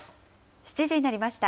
７時になりました。